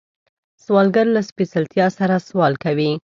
سوالګر له سپېڅلتیا سره سوال کوي